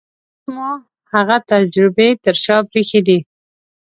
اوس مو هغه تجربې تر شا پرېښې دي.